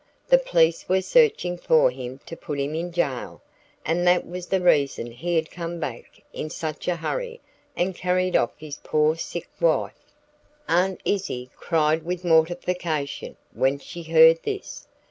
The police were searching for him to put him in jail, and that was the reason he had come back in such a hurry and carried off his poor sick wife. Aunt Izzie cried with mortification, when she heard this.